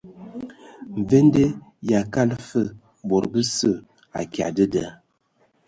Mvende yʼakala fə bod bəsə akya dəda.